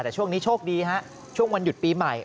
แต่ช่วงนี้โชคดีฮะช่วงวันหยุดปีใหม่